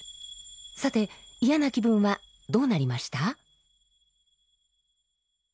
さて嫌な気分はどうなりました？